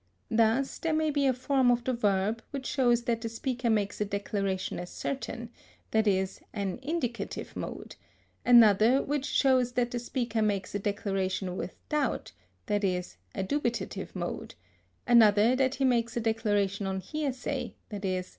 Thus there may be a form of the verb, which shows that the speaker makes a declaration as certain, i.e., an indicative mode; another which shows that the speaker makes a declaration with doubt, i.e., a dubitative mode; another that he makes a declaration on hearsay, _i.e.